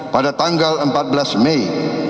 pada tanggal empat belas mei dua ribu sembilan belas